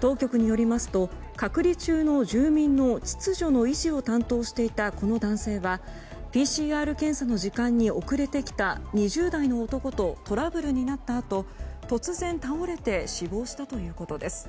当局によりますと隔離中の住民の秩序の維持を担当していたこの男性はＰＣＲ検査の時間に遅れてきた２０代の男とトラブルになったあと突然倒れて死亡したということです。